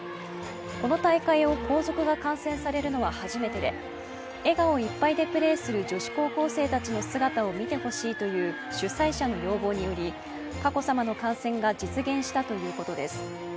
この大会を皇族が観戦されるのは初めてで、笑顔いっぱいでプレーする女子高校生たちの姿を見てほしいという主催者の要望により、佳子さまの観戦が実現したということです。